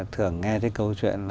thường nghe thấy câu chuyện